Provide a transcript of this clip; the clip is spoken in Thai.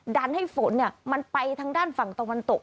ดันให้ฝนมันไปทางด้านฝั่งตะวันตก